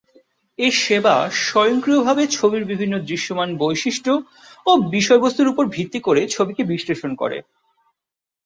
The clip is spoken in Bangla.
এ সেবা স্বয়ংক্রিয়ভাবে ছবির বিভিন্ন দৃশ্যমান বৈশিষ্ট্য ও বিষয়বস্তুর উপর ভিত্তি করে ছবিকে বিশ্লেষণ করে।